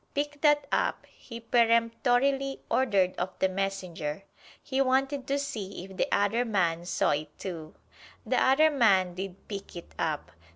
"Pick that up!" he peremptorily ordered of the messenger. He wanted to see if the other man saw it too. The other man did pick it up!